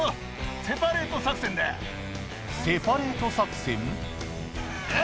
セパレート作戦？